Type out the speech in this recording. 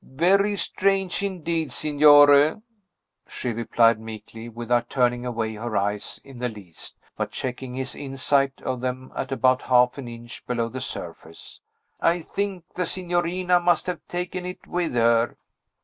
"Very strange, indeed, Signore," she replied meekly, without turning away her eyes in the least, but checking his insight of them at about half an inch below the surface. "I think the signorina must have taken it with her."